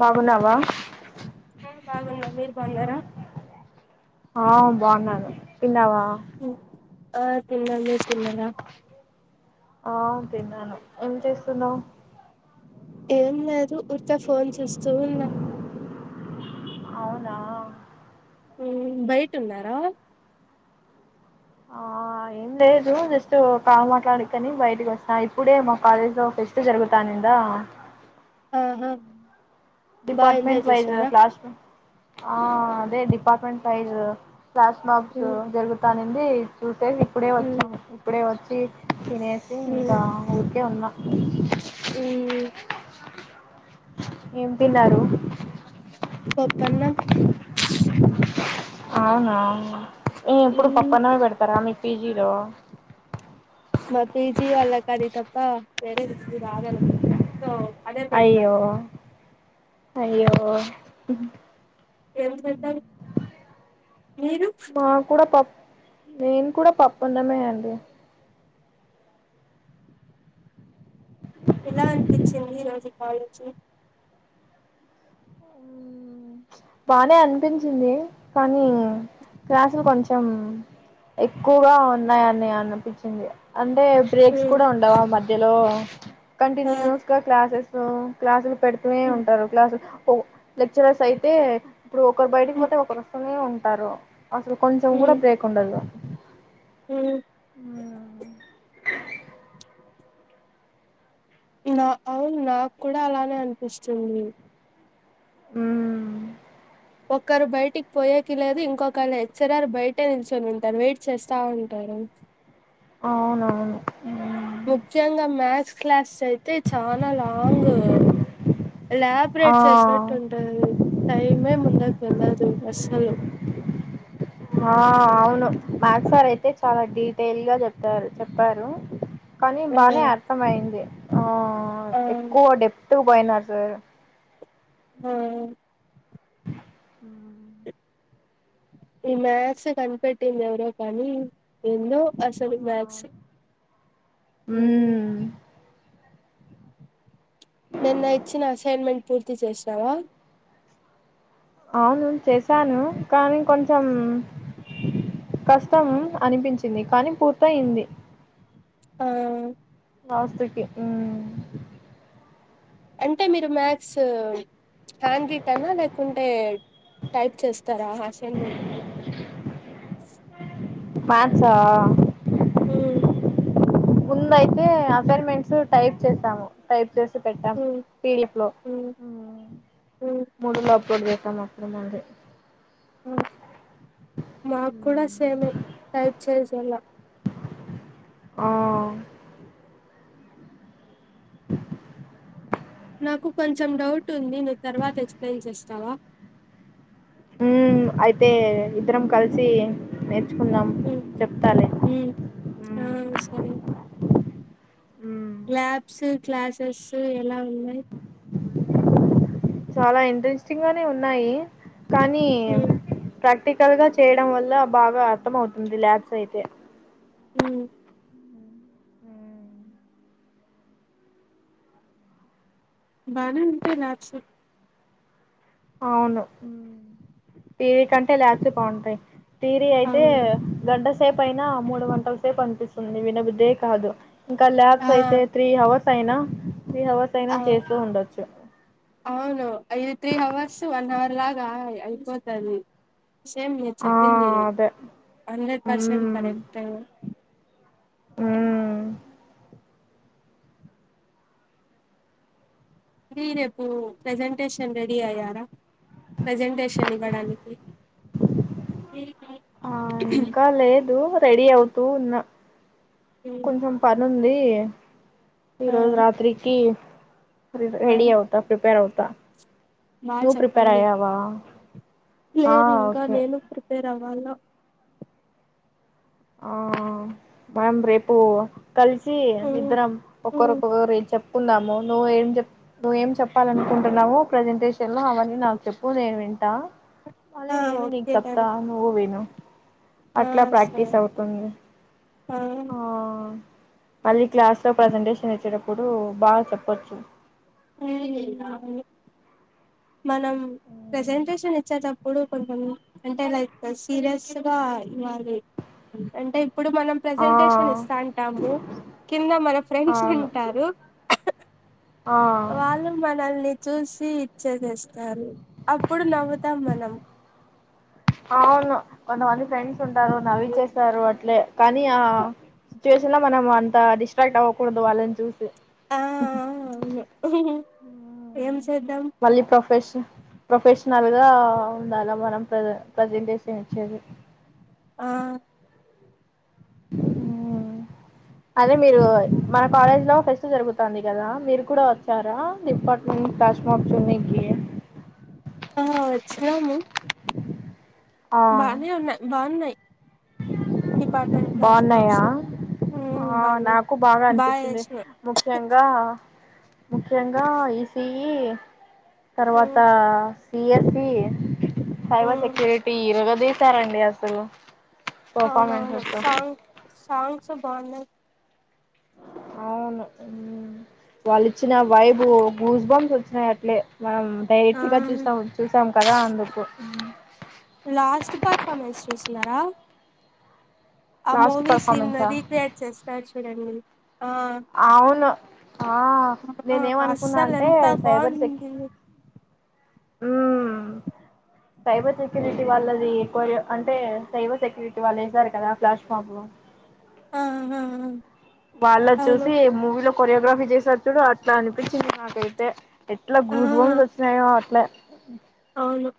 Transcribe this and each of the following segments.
బాగున్నావా ఆ బాగున్నా మీరు బాగున్నారా ఆ. బావున్నారు? తిన్నావా? ఆ ఆ తిన్న మెర్ తిన్నరా ఆ తిన్నాను ఎం చెస్టునవ్? ఏం లేదు ఊర్త ఫోన్ చూస్తూ ఉన్నా! అవునా హ్మ్ బయాటాన్నారా ఆ ఏం లేదు జస్ట్ కాళ మాట్లాడుకని బయటికి వచ ఇప్పుడే మా కాలేజ్ లో ఫెస్ట్ జరుగుతానుందా ఆహా బాగా ఎంజాయ్ డిపార్ట్మెంట్ వైస్ చేసినారా ఫాల్స్మోబ్ ఆ అదే డిపార్మెంట్ వైజ కఫ్లాష్ మప్స్ ఉమ్, జరుగుతానే ది చూస టె ఇప్పుడే ఉమ్, వచ్చాం ఇప్పుడే వచ్చా ఫ తినేసి ఇంకా ఊరికే ఉన్నా హ్మ్మ్ ఏం తిన్నారు? పాపన్నం అవునా ఏ ఇప్పుడు ఉమ్, పప్పన్నమే పెడతారా మీకు పిజి లో మా పీజీ వాళ్లకి అది తప్ప వేరేది రావు అనుకుంటా అయ్యో అయ్యో ఏం పెడతారు మీరు మాకూడా పప్ నేను కూడా పప్పన్నమే అండి ఇలాంటి చింది ఈరోజు కాలేజి ఉ బానే అనిపించింది కానీ క్లాసులు కొంచెం ఎక్కువగా ఉన్నాయని అనిపించింది అన్ అంటే బ్రేక్స్ ఉమ్, కూడా ఉండవా మధ్య లో ఆ, కన్టిన్యూస్గా క్లాసెస్ సో కక్లాసులు పెడుతూనే ఉమ్, ఉంటారు క్లాసెస్ పూ లెక్చరర్స్ అయితే ఇప్పుడు ఒకరు బయటకి ఉమ్, పోతే ఒకరు వస్తనే ఉ తరో అసలు కొంచెం కూడా బ్రేక్ ఉండదు ఉ నా అవును నాకూడా అలానే అనిపిస్తుంది ఉ ఒక్కరు బయటికి పోయేకి లేదు ఇంకొకళ్ళ లెక్చరర్ బయటే నిల్చొని ఉంటారు వెయిట్ చేస్తా ఉంటారు అవునవును మ్మ్ ముఖ్యంగా మాక్స్ క్లాస్ అయితే చాలా లాంగ్ ఆ ఎలాబరేట్ చేసినట్టు ఉంటది టైమే ముందలకి వెళ్ళదు అస్సలు ఆ అవును మ్యాక్స్ సార్ అయితే చాలా డీటెయిల్ గా చెప్తారు చెప్పారు కానీ ఆ బానే అర్థమయింది ఆ ఆ ఎక్కువ డెప్త్ ట్వ బైనర్స్సు హ మ్మ్ ఈ మ్యాక్స్ కనిపెట్టింది ఎవరో కానీ ఎందో అసలు మ్యాక్స్ అవును. ఉ మ్మ్ నిన్న ఇచ్చిన అసైన్మెంట్ పూర్తి చేసావా అవును చేశాను కానీ కొంచెం కష్టం అనిపించింది కానీ పూర్తయింది ఆ వస్తకి అంటే మీరు మ్యాక్స్ హ్యాండ్ రీటర్నా లేకుంటే టైప్ చేస్త తరాహషెన్ [unintelligible] మ్యాక్స్ ఆహ్ హ ముంద అయితే అసైన్మెంట్స్ టైప్ చేస్తాము టైప్ ఉేశ పెట్టాం ఉమ్, పిడిఫ్ లో ఉమ్, ఉమ్, మూడు లో [unintelligible] ఉ మకుడా సేమ్ టైప్ చే చలా ఆ నాకు కొంచెం డౌట్ ఉంది నువ్వు తర్వాత ఎక్స్ప్లెయిన్ చేస్తావా హ అయితే ఇద్దరం కలిసి నేర్చుకుందాం ఉమ్ చెప్తాలే ఉమ్ ఆ ఉమ్, సరే ఉమ్. లాబ్స్ క్లాసెస్ ఎలా ఉన్నాయి చాలా ఇంట్రెస్టింగ్ గానే ఉన్నాయి కానీ ఉమ్, ప్రక్ ప్రాక్టికల్ గా చేయడం వల్ల బాగా అర్థం అవుతుంది ల్యాబ్స్ అయితే ఉమ్ ఉమ్, బానే ఉంటేయి ల్యాబ్సు అవును ఉమ్ తీరి కంటే ల్యాబ్స్ ఏ బాగుంటాయి తీరి అయితే అవును గంట సేపు అయినా మూడు గంటల సేపు అనిపిస్తుంది వినబుద్దే కాదు ఇంకా ఆ ల్యాబ్స్ అయితే త్రీ హవర్ సైనా త్రీ హవర్స్ అయినా ఆ చేస్తూ ఉండొచ్చు అవును ఇది త్రీ హవర్స్ వన్ హవర్ అలాగా అయిపోతది సేమ్ మీరు ఆ చెప్పింది అదే హండ్రెడ్ పర్సెంట్ కరెక్ట్ ఏ ఉమ్ తీరి ఎప్ ప్పు ప్రెసెంటేషన్ ర డి అయ్యారా ప్రెజెంటేషన్ ఇ ఇవ్వడానికి ఆ ఇంకా లేదు రెడీ అవుతూ ఉన్న కొంచం పను అదీ ఈ ఆ రోజు రాత్రికి ఆ రెడీ అవుతా ప్రిపేర్ అవు త్తా బా నువ్ ప్రిపేర్ చెప్పండి అయ్యవా లేదు ఇంకా నేను ప్రిపేర్ అవ్వాలా ఆ మనం రేపు కలిసి మ్మ్ ఇద్దరం ఒక్కరు మ్మ్ ఒకొక్కరు చెప్ చెప్పుకుందాము నువ్వు ఏం చెప్ నువ్వేం చెప్పాలనుకుంటున్నావో ఏం చెప్పాల అనుకుంటున్నావు ప్రజెంటేషన్ లో అవన్నీ నాకు చెప్పు నేను వింటా అదే ఆ నేను నిక్ ఓకే డన్ చెప్తా నువ్వు విను అట్లా ప్రాక్టిస్ అవుతు హుమ్ మళ్ళీ క్లాస్ లో ప్రజెంటేషన్ ఇచ్చేటప్పుడు బాగా చెప్పొచ్చు హు మనం ప్రెసెంటేషన్ ఇచ్చే తప్ ఇప్పుడు కొంచెం అంటే లైక్ సీరియస్ గా ఇవ్వాలి అంటే ఇప్పుడు మనం ఆ ప్రసెంటేషన్ ఇస్తాంటాము కింద మన ఫ్రెండ్స్ అవును వింటారు ఆ వాళ్లు మనల్ని చూసి చేసేస్తారు అప్పుడు నవ్వుతాం మనం అవును కొంతమంది ఫ్రెండ్స్ ఉంటారు నవ్వి చేస్తారు అట్లే కానీ ఆ సిచ్యువేషన్ లో మనం అంత డిస్ట్రాక్ట్ అవ్వకూడదు వాళ్ళని చూసి ఉ ఏం చేద్దాం మళ్ళీ ప్రొఫెష ప్రొఫెషనల్ గా ఉండాలా మనం ప్ర ప్రెజెంటేషన్ ఇచ్చేది హుమ్ హుమ్ అదే మీరు మా కాలేజ్ లో ఫెస్ట్ జరుగుతాంది కదా మీరు కూడా వచ్చారా డిపార్ట్మెంట్ ఆ వచ్చినము ఆ బానే ఉన్నాయ్ బాగున్నాయ్ బాగున్నాయా వర్క్స్ ఉమ్ ఆ బాగున్నాయి నాకు బాగా అనిపించింది ముఖ్యంగా ముఖ్యంగా ఇసి హుమ్ ఉమ్ తర్వాతా ఏసి సైబర్ ఉమ్ సెక్యూరిటీ ఇరగ చేసారండి అసలు అవునవును పర్ఫార్మెన్సెస్ సాంగ్ సాంగ్స్ బాగున్నాయి అవును హుమ్ వాళ్ళు ఇచ్చిన వైబు గూజ్ బాంస్ వచ్చినాయి అట్లే మనం ఆ డైరెక్ట్ గా చూసాం చూసాం కదా అందుకు లాస్ట్ పర్ఫార్మెన్స్ చూసినరా ఆ లాస్ట్ మూవీ సీన్ పర్ఫార్మెన్సా రీక్రియేట్ చేస్తాడు చూడండి ఆ అవును ఆ ఆ నేనేం అనుకున్న అస్సలు అంటే ఎంత సైబర్ సెక్ బాగుంది ఉమ్ సైబర్ సెక్యూరిటీ వాళ్ళది ఎక్కువర్ అంటే సైబర్ సెక్యూరిటీ వాళ్ళు ఎసారు కదా ఫ్లాష్ [unintelligible] ఉమ్ వాళ్ళద్ చూసి మూవీలో కొరియోగ్రఫీ జేశార్ చూడు అట్లా అనిపించింది నాకైతే ఎట్లా ఆ గోస్బంబ్స్ వచ్చినాయో అట్లే అవును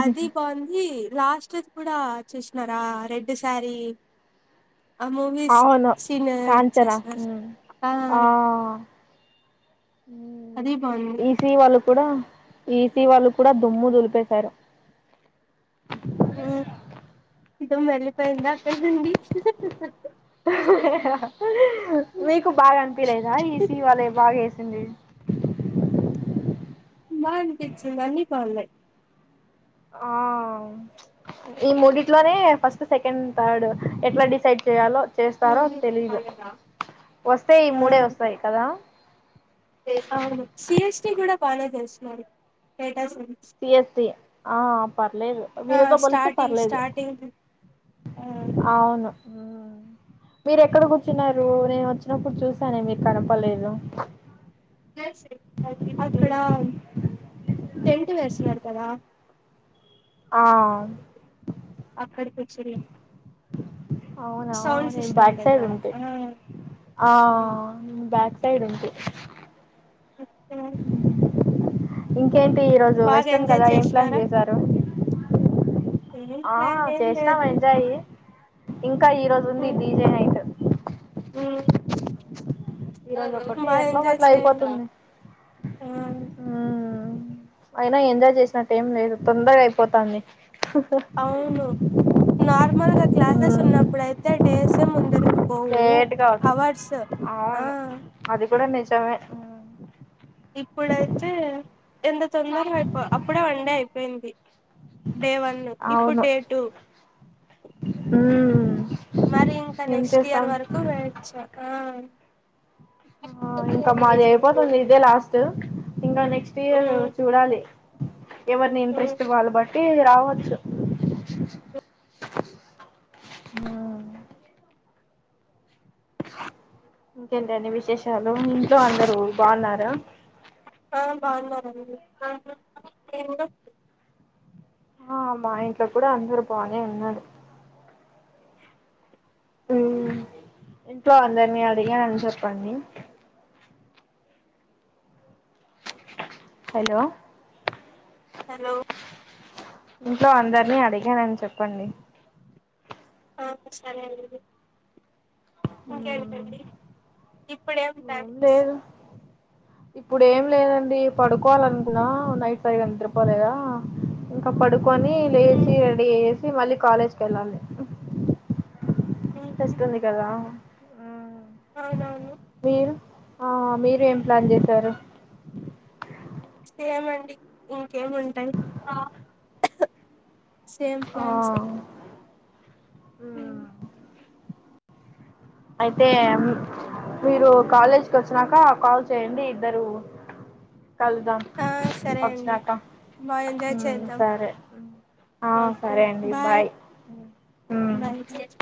అది బాగుంది లాస్ట్ కూడా చూసినరా రెడ్ సారీ అవును కాంచనా ఇచ్చేసారు ఉ ఆ ఉమ్ అది బాగుంది ఈసీ వాళ్ళు కూడ ఈసీ వాళ్ళు కూడ దుమ్ము దులిపేసారు ఉమ్ [unintelligible] వెళ్ళిపోయిందా అక్కడ నుండి మీకు బాగా అనిపియా లేదా ఈసీ వళ్ళయి బాగా ఏస్ సింది బా అనిపిచ్చిందండి బాగున్నాయి ఆ ఈ మూడిట్లోనే ఫస్ట్, సెకండ్, థర్డ్ ఎట్లా డిసైడ్ చేయాలో చేస్తారో తెలీదు ఆ వస్తే ఈ మూడే వస్తాయి కదా పానే చేసినారు టెటస్ వెట్ సిఎస్సి ఆహా పర్లేదు, ఆ వీళ్ళతో పోలిస్తే స్టార్టింగ్ పర్లేదు. స్టార్టింగ్ ఆ అవును ఉమ్ మీరు ఎక్కడ కూర్చున్నారు నేను వచ్చినప్పుడు చూసానే మీరు కనపడ్ లేదు. అక్కడ టెంట్ వేసినారు కదా ఆ వచ్చిరియ అవునా నేను బ్యాక్ సైడ్ ఉంటి ఆ ఆ బ్యాక్ స్ సైడ్ ఉంటి ఆ ఇ ఏంటి ఈ రోజు బాగా వెస్టర్న్ ఎంజాయ్ కదా ఏం ప్లాన్ చేస్తున్నారా చేశారు. ఏం ఆహా ప్లాన్ ఏం చేసినాం లేదు ఎంజాయి ఇంకా ఈ రోజు ఉంది డీజే నైట్ ఉమ్ ఈ రోజు ఒకటి ఎట్లాగో అట్లా చేయండి ఆ అయిపోతుంది. ఉమ్ అయినా ఎంజాయ్ చేసినట్టు ఏం లేదు తొందరగా అయిపోతంది. అవును నార్మల్గా క్లాసెస్ ఉన్నప్పుడయితే డేస్ తే ముందరి పోవూ లేట్గా హవర్స్ ఆ అవును అది కూడా నిజమే ఇప్పుడైతే ఎంత తొందర అయిపో అప్పుడే వండా అయిపోయింది. డే వన్ ఇప్పుడు అవును డే టూ మరి ఇంకా ఏం నెక్స్ట్ ఇయర్ చేస్తాం వరకు వెట్ చెయ్ ఆ ఇంకా మాది అయిపోతుంది, ఇదే లాస్ట్ ఇంకా నెక్స్ట్ మ్మ్ ఇయర్ చూడాలి, ఎవరిని ఇంట్రెస్ట్ మ్మ్ వాళ్ళు బట్టి రావచ్చు. ఉ ఇంకేంటడి విశేషాలు ఇంట్లో అందరూ బాగున్నారా, ఆ బాగున్నామండీ ఆ మీ ఇంట్లో ఆ మా ఇంట్లో కూడా అందరూ బాగానే ఉన్నారు. ఇంట్లోఅందరినీ అడిగానని చెప్పండి. హలో హలో ఇంట్లో అందరినీ అడిగానని చెప్పండి. ఆ సరే అండి, ఇంకేంటండి ఇప్పుడేం ఏం ట్యాంస్ లేదు ఇప్పుడు ఏం లేదండి పడుకోవాల అనుకున్నా నైట్ సరిగా నింద్రపోలేదా ఇంకా పడు, కొని లేచి రడి అయ్యే మళ్ళీ కాలేజ్కి వెళ్ళాలి, వస్తుంది కదా ఉ అవునవును ఆ మీరు ఏం ప్లాన్ చేశారు. ఏమండి ఇంకేమి ఉంటాయి. సేమ్ ప్లాన్స్ ఏ ఉ అయితే మీరు కాలేజ్కి వచ్చినాక కాల్ చేయండి, ఇద్దరు కలుదాం ఆ సరే అండి వచ్చినాక బాగా ఎంజాయ్ ఉమ్ చేద్దాం సరే ఆ సరే అండి బాయ్, బాయ్